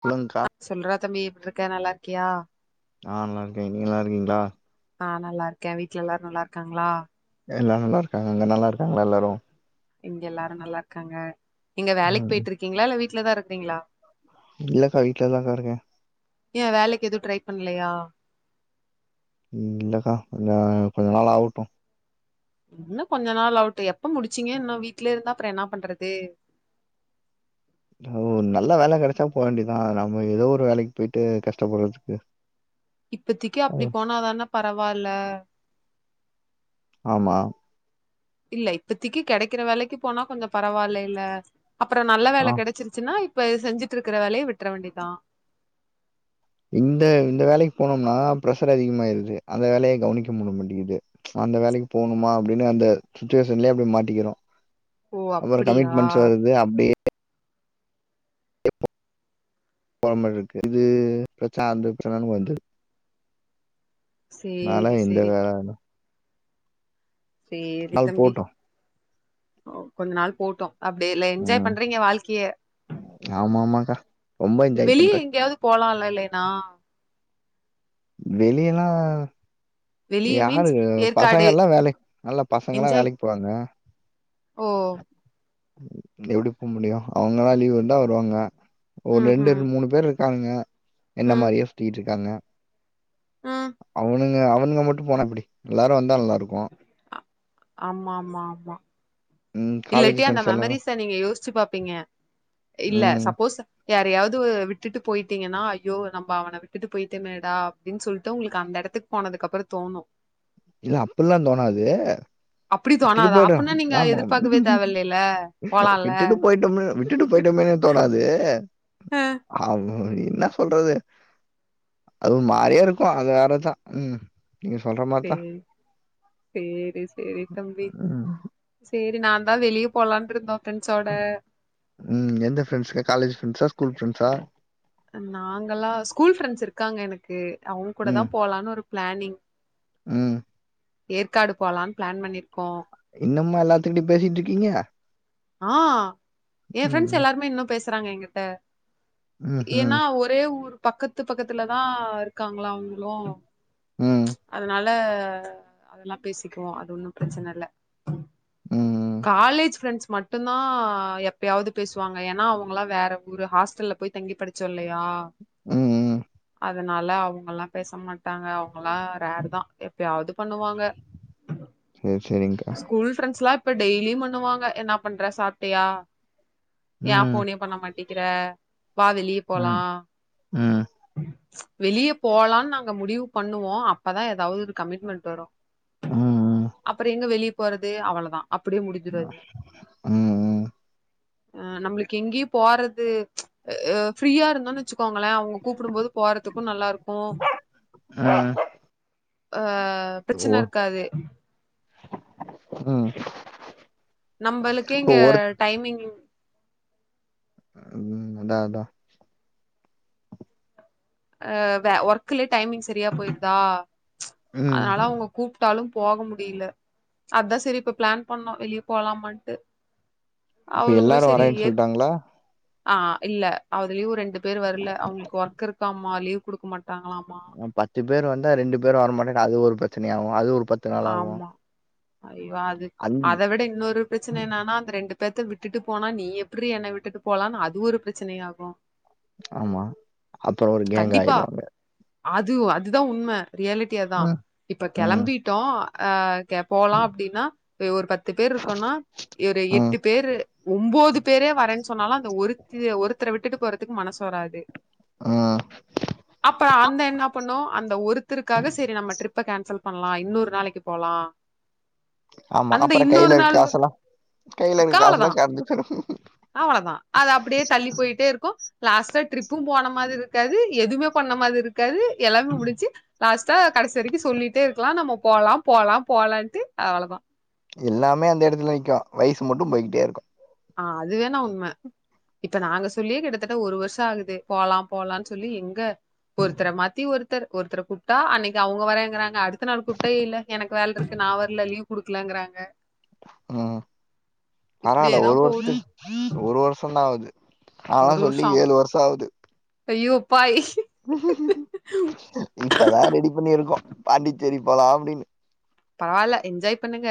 சொல்லுங்க்கா சொல்றா தம்பி எப்டிருக்க நல்லா இருக்கியா நா நல்லா இருக்கே நீங்க நல்லா இருக்கீங்களா நா நல்லா இருக்கே வீட்ல எல்லாரு நல்லா இருக்காங்களா எல்லாம் நல்லா இருக்காங்க அங்க நல்லா இருக்காங்களா எல்லாரு இங்க எல்லாரு நல்லா இருக்காங்க நீங்க வேலைக்கு ம் போயிட் இருக்கீங்களா இல்ல வீட்டு்லதா இருக்கீங்களா இல்லக்கா வீட்டுலதாங்க இருக்கே ஏ வேலைக்கு எதுவு ட்ரை பண்லையா இல்லக்கா என கொஞ்சோ கொஞ்ச நாள் ஆகட்டு இன்னும் கொஞ்ச நாள் அவுட்டு எப்ப முடிச்சீங்க இன்னு வீட்லயே இருந்தா அப்றோ என்ன பண்றது ஓ நல்ல வேல கெடச்சா போ வேண்டியதா நம்ம எதோ ஒரு வேலைக்கு பொயிட்டு கஷ்டப்படுறதுக்கு இப்பத்தக்கி அப்டி ம். போனா தான பரவாயில்ல ஆமா இல்ல இப்பத்திக்கு கெடைக்கிற வேலைக்குப் போனா கொஞ்ச பரவாலேல்ல அப்பறோ நல்ல ஆ வேல கெடைச்சுருச்சுன்னா இப்ப செஞ்சிட்ருக்குற வேலைய விட்ற வேண்டியதா இந்த இந்த வேலைக்கு போனோம்னா ப்ரஷர் அதிகமாயிருது அந்த வேலைய கவனிக்க முடிய மாட்டிகிது அந்த வேலைக்கு போனுமா அப்டின்னு அந்த சுச்சுவேஷன்லயே அப்டி மாட்டிக்கிறோ ஓ அப்பறோ அப்படியா கமிட்மெண்ட்ஸ் வருது அப்டியே போற மார்ருக்கு இது ப்ரச்சன அந்த ப்ரச்சனனு வந்துர்து நால சரி இந்த சரி வேல அந்த சேரி நாள் தம்பி போட்டு கொஞ்ச நாள் போட்டோ அப்டி இல்ல ம் என்ஜாய் பண்றீங்க வாழ்க்கைய ஆமா ஆமாக்கா ரொம்ப என்ஜாய் வெளிய பண்றேன். எங்கேயாவது போலால்ல இல்லேன்னா வெளியல்லா வெளிய மீன்ஸ் யாருங்க ஏற்காடு பசங்கள்லா வேலைக்கு நல்ல பசங்கல்லா என்ஜாய் வேலைக்கு போறாங்க ஓ இப்ப எப்டி போ முடியு அவுங்கல்லா லீவு இருந்தா வருவாங்க ஒரு ம் ரெண்டு ம் ரெண்டு மூணு பேர் இருக்காங்க என்ன மாரியே சுத்திகிட்ருக்காங்க ஆ அவனுங்க அவனுங்க மட்டு போன எப்டி எல்லாரு வந்தா நல்லாருக்கு ஆமா ஆமா ஆமா ம் காலேஜ் இல்லாட்டி அந்த ஃப்ரெண்ட்ஸ் எல்லா மெமரிஸ நீங்க யோசிச்சு பாப்பீங்க இல்ல ம் சப்போஸ் யாரையாவது விட்டுட்டு போயிட்டீங்கன்னா ஐயோ நம்ம அவன விட்டுட்டு போயிட்டேமேடா அப்டின் சொல்லிட்டு உங்களுக்கு அந்த எடத்துக் போனதுக்கு அப்றோ தோணு இல்ல அப்பில்லா தோணாது தே அப்டி விட்டுட்டு தோணாதா போயிடு அப்பனா நீங்க ஆமாம் எதிர்பார்க்கவே தேவயில்லைல போலால்ல விட்டுட்டு போ போயிட்டமே விட்டுட்டு போயிட்டமே தோணாது அ ஆ ம் ம் என்ன சொல்றது அது ஓ மாறியா இருக்கு அது வேறதா ம் நீங்க சொல்ற மா சே செரி செரி தம்பி ம். செரி நாந்தா வெளிய போலான்ருந்தோ பிரஃப்ரெண்ட்ஸோட ம் எந்த ஃப்ரெண்ட்ஸ்ங்க காலேஜ் ஃரெண்டஸா ஸ்கூல் ஃப்ரண்ட்ஸா நாங்கல்லா ஸ்கூல் ஃப்ரெண்ட்ஸ் இருக்காங்க எனக்கு அவங்க கூட தா ம், போலானு ஒரு பிளானிங் ம் ஏற்காடு போலான்னு பிளான் பண்ணியிருக்கோ இன்னமா எல்லாத்துக்கிட்டியு பேசிட்டுருக்கீங்க ஆ என் ரெண்ட்ஸ் ம், ம், எல்லாருமே இன்னு பேசுறாங்க என் கிட்ட ம்ஹ்ம். ஏன்னா ஒ ரே ஊர் பக்கத்து பக்கத்துல தா இருக்காங்களா அவங்களு ம், அதனால ஆ அதெல்லா பேசிக்குவோ அது ஒன்னு பிரச்சன இல்ல ம், காலேஜ் ஃரெண்ட்ஸ் மாட் டுதா எப்பயாவது பேசுவாங்க ஏன்னா அவங்கலா வேற ஊரு ஹாஸ்டல்ல போய் தங்கி படிச்சோல்லையா ம் ம் அதனால அவங்கல்லா பேச மாட்டாங்க அவங்கலா ரேர் தா எப்பாயவது பண்ணுவாங்க சரி, சரிங்கக்கா. ஸ்கூல் ஃப்ரண்ட்ஸ் லா இப்ப டெய்லி பண்ணுவாங்க என்ன பண்ற சாப்டயா யா ம், ஃபோன்னே பண்ண மாட்டேங்குற வா வெளியே போலா ம், ம் வெளிய போலான் நாங்க முடிவு பண்ணுவோ அப்பதா ஏதாவது ஒரு கமிட்மெண்ட் வரு ம், ம், அப்பற எங்க வெளிய போறது அவ்வளதா அப்டியே முடிஞ்சிடு அது ம், ம். ஆ நம்மளுக்கு எங்கயு போறது ஆ ஃப்ரீயா இருந்தோன் வச்சுக்கோங்களே அவங்க கூப்டும் போது போறதுக்கு நல்லா இருக்கு ஆ ஓ! பிரச்சன இருக்காது ம் நம்பளுக்கு இப்போ இங்க ஒரு டைமிங் ம் அதான் அதான் ஆ ஒர்க்கலயே டைமிங் சரியா போயிருதா ம். அதனால அவங்க கூப் டாலும் போக முடியல அதான் சரி இப்ப பிளான் பண்ணோம் வெளியே போலாமான்ட்டு இப்ப அவளுங்களு எல்லாரும் செரி வரேன்னு சொல்ட்டாங்களா? ஆ இல்ல அதுலயும் ரெண்டு பேர் வரல அவங்களுக்கு ஒர்க் இருக்கு ஆமா லீவ் குடுக்க மாட்டாங்களாம்மா பத்து பேர் வந்த ரெண்டு பேரு வரமாட்டேங் அது ஒரு பிரச்சனைய ஆகு அது ஒரு பத் ஆமா ஐயோ அது அந் அத விட இன்னொரு பிரச்சன என்னனா அந்த ரெண்டு பேத்த விட்டுட்டு போனா நீ எப்டிரீ என்ன விட்டுட்டு போலான்னு அது ஒரு பிரச்சன ஆகு ஆமா அப்போ ஒரு கேங்க் ஆயிரு அங்க அதுவ் அதுதா உண்ம ரியாலிட்டி அதா ம், இப்ப ம், கெளம்பிட்டோ அ கெ போலா அப்டின்னா ஒரு பத்து பேரு இருக்கனா ஏரு ம், எட்டு பேரு ஒம்போது பெரியவ வரேன் சொன்னாலு அந்த ஒருத்தி ஒருத்தர விட்டுட்டு போறதுக்கு மனசு வராது ஆ அப்ப அந்த என்னா பண்ணு அந்த ஒருத்தருக்காக செரி நம்ம ட்ரிப்ப கேன்சல் பண்ணலா இன்னொர் நாளைக்கு போலா ஆமா அப்றோ கைல இருக்க காசெல்லா கையில இருக்க கவ்ளதா காசெல்லா கரஞ்சு போயிரு அவ்ளதா அது அப்டியே தள்ளி பொயிட்டே இருக்கு லாஸ்ட்டா ட்ரிப்பு போன மாரி இருக்காது எதுமே பண்ண மாரி இருக்காது எல்லாமே முடிஞ்சி லாஸ்ட்டா கடசி வரைக்கு சொல்லிட்டே இருக்லா நம்ம போலா போலா போலான்ட்டு அவ்ளதா எல்லாமே அந்த எடத்துல நிக்கு வயசு மட்டு பொய்கிட்டே இருக்கு ஆ அது வேணா உண்ம இப்ப நாங்க சொல்லியே கிட்டத்தட்ட ஒரு வருஷ ஆகுது போலா போலான் சொல்லி எங்க ஒருத்தர மாத்தி ஒருத்தர் ஒருத்தர கூப்ட்டா அன்னிக்கு அவங்க வரேங்கிறாங்க அடுத்த நாள் கூப்ட்டா இல்ல எனக்கு வேல்ருக்கு நா வர்ல லீவ் குடுக்கலங்றாங்க ம் பரவால இப்டியேதா ஒரு போகுது வருஷத்துக்கு ஒரு வர்ஷோ தா ஆகுது அதலா சொல்லி ஏழு வர்ஷ ஆகுது பெய்யோபாய் இப்பதா ரெடி பண்ணிருக்கோ பாண்டிச்சேரி போலா அப்டின் பரவால என்ஜாய் பண்ணுங்க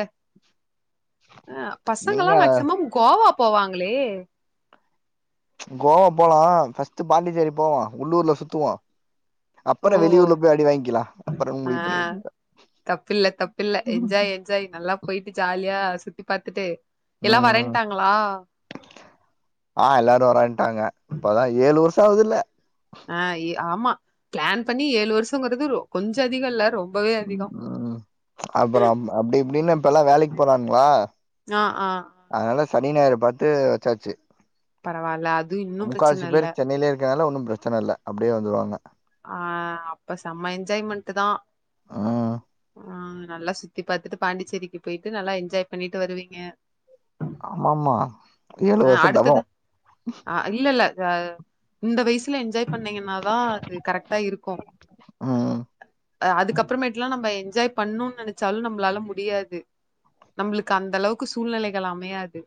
ஆ பசங்கலா எங்க மேக்சிமம் கோவா போவாங்களே கோவா போலா ஃபர்ஸ்ட்டு பாண்டிச்சேரி போவ உள்ளூர்ல சுத்துவோ ஓ அப்பற வெளியூர்ல போய் அடி வாய்ங்கிலா அப்பறம் ஆ முடிவு பண்ணிக்லா தப்பில்ல தப்பில்ல என்ஜாய் என் ஜாய் நல்லா பொயிட்டு ஜாலியா சுத்தி பாத்துட்டு எல்லா ம் வரேன்ட்டாங்ளா ஆ எல்லாரு வரேன்ட்டாங்க இப்பதா ஏழு வர்ஷ ஆகுதில்ல ஆ எ ஆமா பிளான் பண்ணி ஏழு வர்ஷங்கிறது கொஞ்ச அதிக இல்ல ரொம் ம் அப்ரோ அப் அப்டி இப்டின்னு இப்பெலா வேலைக்கு போறாங்ளா ஆ ஆ அதனால சனி ஞாயிரு பாத்து வச்சாச்சி பரவால்ல அது இன்னு முக்காவாசி பிரச்சன இல்ல பேரு சென்னைலே இரு னால ஒன்னு பிரச்சன இல்ல அப்டியே வந்துருவாங்க ஆ அப்ப செம்ம என்ஜாய்மெண்ட்டு தா ம் ஆ நல்லா சுத்தி பாத்துட்டு பாண்டிச்சேரிக்கு பொய்ட்டு நல்லா என்ஜாய் பண்ணிட்டு வருவீங்க ஆமாமா ஏழு வர்ஷோ தவோ இல்லல்ல அத இந்த வயசுல என்ஜாய் பண்ணீங்கனா தா அது கரெட்டா இருக்கு ம் அ அதுக்கப்புறமேட்டுலா நம்ம என்ஜாய் பண்ணுன் நெனைச்சாலு நம்ளால முடியாது நம்ளுக்கு அந்த அளவுக்கு சூழ்நிலைகள் அமையாது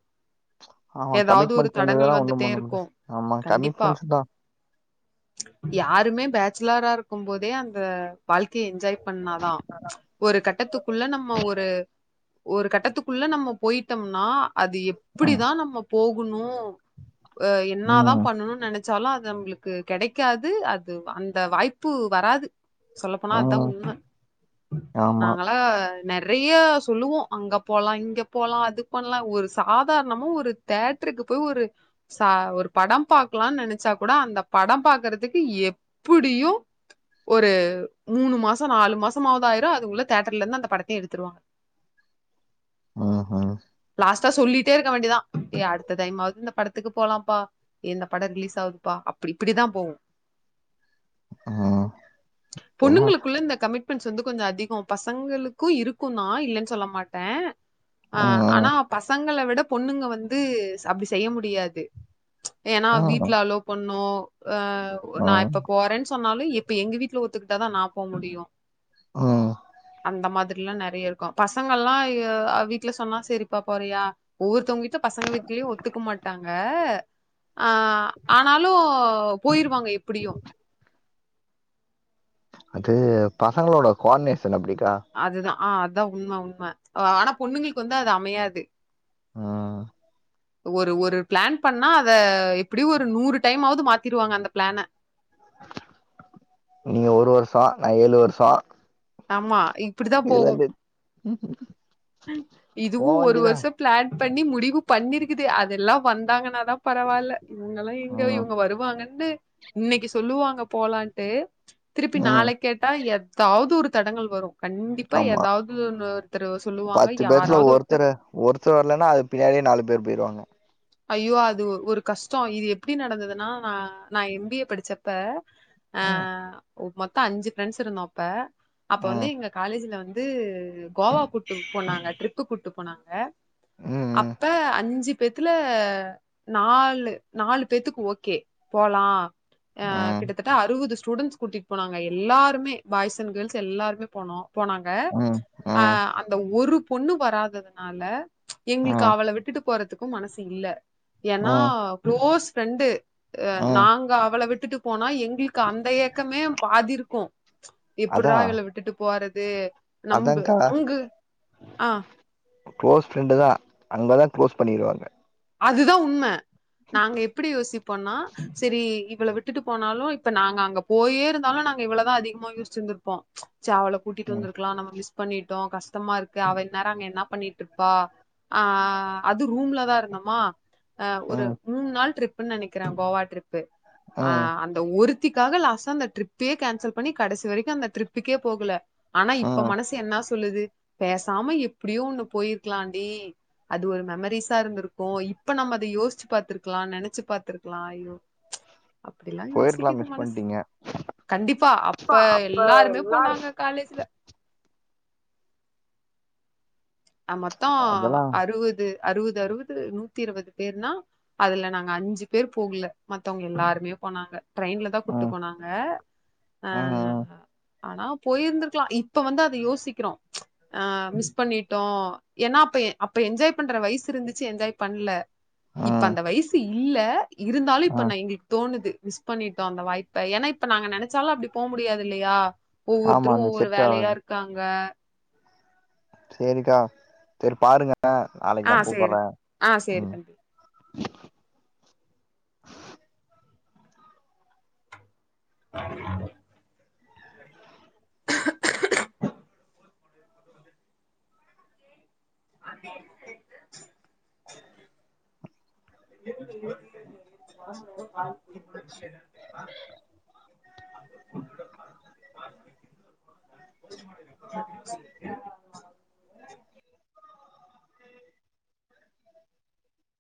ஆமா எதாவ்து ஒரு கமிட்மெண்ட்ஸ் இருந்ததுன்னா தடங்கள் ஒன்னும் வந்துட்டே பண்ண இருக்கு முடியாது ஆமா கண்டிப்பா கமிட்மெண்ட்ஸ் தா யாருமே பேச்சுலரா இருக்கும்போதே அந்த வாழ்க்கைய என்ஜாய் பண்ணாதா ஒரு கட்டத்துக்குள்ள நம்ம ஒரு ஒரு கட்டத்துக்குள்ள நம்ம பொயிட்டோம்னா அது ம் எப்பிடிதா நம்ம போகுணு அ என்னாதா ம் பண்ணணுன் நெனச்சாலு அது நம்ளுக்கு கெடைக்காது அது அந்த வாய்ப்பு வராது சொல்லப்போனா அதா ம் உண்ம ஆமா நாங்களா நெறைய சொல்லுவோ அங்க போலா இங்க போலா அது பண்லா ஒரு சாதாரணமா ஒரு தேட்ருக்கு போய் ஒரு ச ஒரு படோ பாக்கலான்னு நெனச்சா கூட அந்த படோ பாக்குறதுக்கு எ புடியு ஒரு மூணு மாசோ நாலு மாசமாவதாயிரு அதுகுள்ள தேட்டர்லருந்து அந்த படத்தயே எடுத்துருவாங்க அ ஹ லாஸ்ட்டா சொல்லிட்டே இருக்க வேண்டிதா எ அடுத்த டைமாவது இந்த படத்துக்கு போலாம்ப்பா ஏ இந்த படோ ரிலீஸ் ஆகுதுப்பா அப்டி இப்டி தா போவு அ பொண்ணுங்களுக்குள்ள இந்த கமிட்மெண்ட்ஸ் வந்து கொஞ்சோ அதிகோ பசங்களுக்கு இருக்கு தா இல்லன்னு சொல்ல மாட்டே ஆ ஆனா ம் பசங்கள விட பொண்ணுங்க வந்து அப்டி செய்ய முடியாது ஏனா ம் வீட்டுல அளோ பண்ணு அ நா இப் ம் போரன் சொன்னாலு இப்ப எங்க வீட்டுல ஒத்துக்கிட்டாதா நா போ முடியு ம் அந்த மாதிரிலா நெறைய இருக் பசங்கல்லா அ வீட்ல சொன்னா செரிப்பா போறியா ஒவ்வொருத்தவங்க வீட்ல பசங்க வீட்லயு ஒத்துக்க மாட்டாங்க ஆ ஆனாலு போயிருவாங்க எப்புடியு அது பசங்களோட கோ ஆடினேஷன் அப்டிக்கா அதுதா ஆ அத்தா உண்ம உண்ம ஆனா பொண்ணுங்களுக்கு வந்து அது அமையாது ஆ ஒரு ஒரு பிளான் பண்ணா அத எப்புடியு ஒரு நூறு டைம் ஆவது மாத்திருவாங்க அந்த பிளான நீங்க ஒரு வருஷோ நா ஏழு வருஷோ ஆமா இப்பிடி தா இதுல போகு இருந்து போ இதுவு ஒரு வேண்டிதா வருஷோ பிளான் பண்ணி முடிவு பண்ணிருக்குது அதெல்லா வந்தாங்கன்னா பரவால்ல இவுங்கல்லா எங்க ம் இவுங்க வருவாங்கன்னு இன்னைக்கு சொல்லுவாங்க போலான்ட்டு திருப்பி ம் நாளைக்கு கேட்டா எ தாவது ஒரு தடங்கள் வரு கண்டிப்பா ஆமா ஏதாவது ஒருத்தரு பத்து பேத்துல ஒருத்தர் ஒருத்தர் வரலன்னா அது பின்னாடியே நாலு பேர் போயிடுவாங்க ஐயோ அது ஒரு கஷ்டோ இது எப்டி நடந்ததுன்னா ந நா எம் பி ஏ படிச்ச அப்ப ஆ ம் மொத்த அஞ்சு ஃப்ரெண்ட்ஸ் இருந்தோ அப்ப அப்ப வந்து ம் எங்க காலேஜ்ல வந்து கோவா கூட்டு போனாங்க ட்ரிப்பு கூட்டு போனாங்க ம் அப்ப அஞ்சிப் த்துல நாலு நாலு பேத்துக்கு ஓகே போலா ஆ ம் கிட்டத்தட்ட அறுவது ஸ்டூடெண்ட்ஸ் கூட்டிட்டு போனாங்க எல்லாருமே பாய்ஸ் அண்ட் கேர்ள்ஸ் எல்லாருமே போனோ போனாங்க ம் ம் அ ம் அந்த ஒரு பொண்ணு வராததுனால எங்குளுக்கு ம் அவள விட்டுட்டு போறதுக்கு மனசு இல்ல ஏன்னா ம் குளோஸ் ஃப்ரெண்டு ம் நாங்க அவள விட்டுட்டு போனா எங்குளுக் கு அந்த ஏக்கமே பாதி இருக்கு எப்புறா இவள விட்டுட்டு போறது நம்ப அதாங்க்கா அங்கு ஆ குளோஸ் ஃப்ரெண்டு தா அங்கதா குளோஸ் பண்ணிருவாங்க அதுதா உண்ம நாங்க எப் பிடி யோசிழ்போனா சரி இவள விட்டுட்டு போனாலு இப்ப நாங்க அங்க போயே இருந்தாலு நாங்க இவ்ளதா அதிகமா யூஸ் வெச்சிருந்துப்போ ச்ச அவள கூட்டிட்டு ம் வந்திருக்கலா நம்ம மிஸ் பண்ணிட்டோ கஷ்டமா இருக்கு அவ இன்நேரோ அங்க என்ன பண்ணிட்ருப்பா ஆ அது ரூம்ல தா இருந்தோ மா ஆ ஒரு ம் மூன் நாள் ட்ரிப்புன் நெனைக்கிறே கோவா ட்ரிப்பு அ ம் அந்த ஒரு த்திக்காக லாஸ்டா அந்த ட்ரிப்பே கேன்சல் பண்ணி கடைசி வரைக்கு அந்த ட்ரிப்புக்கே போகல ஆனா இப்ப ம் மனசு என்னா சொல்லுது பேசாம எப்டியோ ஒண்ணு போயிருக்கலாண்டடி அது ஒரு மெமரிஸா இருந்திருக் கு இப்ப நம்ம அத யோஸ்ச்சு பாத்துருக்கலா நெனச்சு பாத்துருக்கலா ஐயோ அப்டிலா போயிருக்கலா யோசிக்கிது மிஸ் மனஸ் பண்ட்டீங்க கண்டிப்பா அப்ப அப்பா எல்லாருமே எல்லாரு போனாங்க காலேஜ்ல ஆ மொத்தோ அதெல்லா அறுவது அறுவது அறுவது நூத்தி இருவது பேர்னா அதுல நாங்க அஞ்சு பேர் போகல மத்தவங் எல்லாருமே போனாங்க ட்ரெயின்ல தா கூட்டு ம் போனாங்க அ ம் ம் ஆனா போயிருந்திருக்கலா இப்ப வந்து அத யோசிக்கிறோ ஆ மிஸ் பண்ணி ட்டோ ஏன்னா அப்ப அப்ப என்ஜாய் பண்ற வயசு இருந்துச்சு என்ஜாய் பண்ணல இப்ப ம் அந்த வயசு இல்ல இருந்தாலு இப்ப ம் நா எங்களுக் தோணுது மிஸ் பண்ணிட்டோ அந்த வாய்ப்ப ஏன்னா இப்ப நாங்க நெனச்சாலு அப்டி போ முடியாது இல்லயா ஆமா ஒவ்வொருத்தரு அது ஒவ்வொரு செட் வேலையா ஆவாது இருக்காங்க சேரிக்கா சேர் பாருங்க நாளைக்கு ஆ நா சேரி கூப்பற்றே ஆ சேரி ம் தம்பி ஆ அ ம்